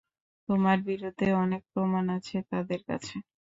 তোমার বিরুদ্ধে অনেক প্রমাণ আছে তাদের কাছে।